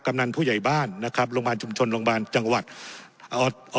นำผู้ใหญ่บ้านนะครับโรงพยาบาลชุมชนโรงพยาบาลจังหวัดอ่า